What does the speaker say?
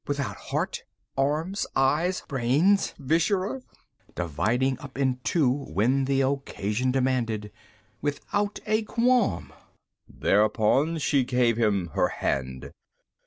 Without heart, arms, eyes, brains, viscera, dividing up in two when the occasion demanded. Without a qualm. _... thereupon she gave him her hand.